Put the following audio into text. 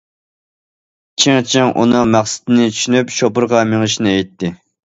چىڭ چىڭ ئۇنىڭ مەقسىتىنى چۈشىنىپ، شوپۇرغا مېڭىشنى ئېيتتى.